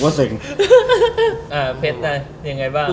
เผ็ดนะยังไงบ้าง